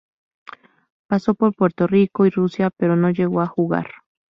Pasó por Puerto Rico y Rusia pero no llegó a jugar.